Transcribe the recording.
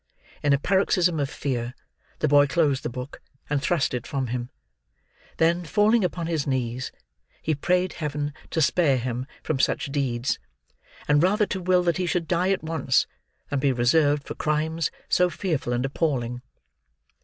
In a paroxysm of fear, the boy closed the book, and thrust it from him. Then, falling upon his knees, he prayed Heaven to spare him from such deeds; and rather to will that he should die at once, than be reserved for crimes, so fearful and appalling.